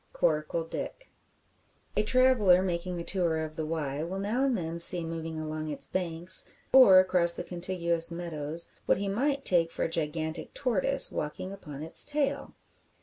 CORACLE DICK. A traveller making the tour of the Wye will now and then see moving along its banks, or across the contiguous meadows, what he might take for a gigantic tortoise walking upon its tail!